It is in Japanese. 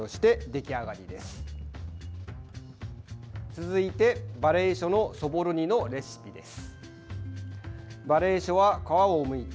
続いて、ばれいしょのそぼろ煮のレシピです。